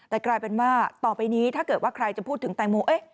แต่กลายเป็นว่าต่อไปนี้ถ้าเกิดว่าใครจะพูดถึงแตงโม